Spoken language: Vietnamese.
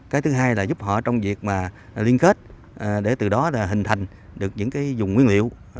cái thứ hai là giúp họ trong việc liên kết để từ đó là hình thành được những cái dùng nguyên liệu